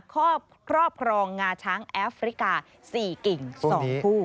ครอบครองงาช้างแอฟริกาสี่กิ่งสองผู้